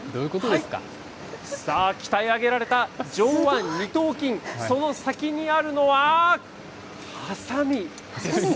さあ、鍛え上げられた上腕二頭筋、その先にあるのは、はさみです。